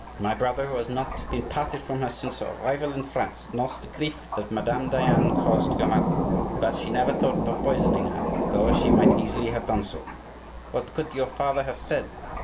My brother, who has not been parted from her since her arrival in France, knows the grief that Madame Diane caused your mother. But she never thought of poisoning her, though she might easily have done so. What could your father have said?